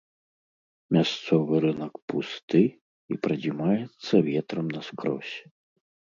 Мясцовы рынак пусты і прадзімаецца ветрам наскрозь.